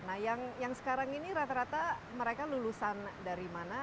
nah yang sekarang ini rata rata mereka lulusan dari mana